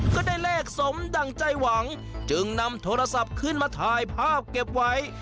ก็ได้เลขสมดั่งใจหวังจึงนำโทรศัพท์ขึ้นมาถ่ายภาพเก็บไว้